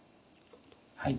はい。